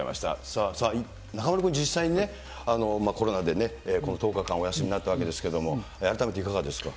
さあ、中丸君、実際にね、コロナでこの１０日間、お休みになったわけですけど、改めていかがですか。